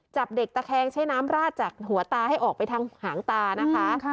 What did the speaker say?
จับเด็กตะแคงใช้น้ำราดจากหัวตาให้ออกไปทางหางตานะคะ